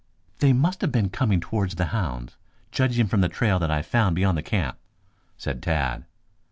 "They must have been coming towards the hounds, judging from the trail that I found beyond the camp," said Tad.